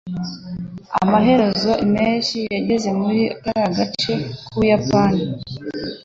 Amaherezo, impeshyi igeze muri kariya gace k'Ubuyapani.